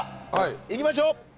いきましょう！